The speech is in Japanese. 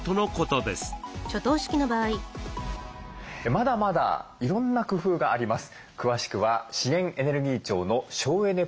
まだまだいろんな工夫があります。